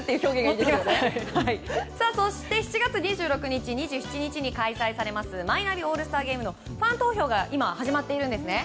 そして７月２６日２７日に開催されますマイナビオールスターゲームのファン投票が今、始まっているんですね。